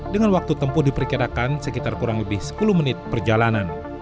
dengan waktu tempuh diperkirakan sekitar kurang lebih sepuluh menit perjalanan